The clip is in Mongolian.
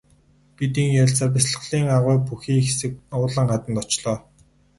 Бид ийн ярилцсаар бясалгалын агуй бүхий хэсэг улаан хаданд очлоо.